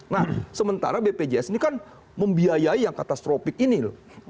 nah sementara bpjs ini kan membiayai yang katastropik ini loh